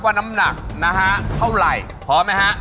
น้ำหนักนะฮะเท่าไหร่พร้อมไหมฮะ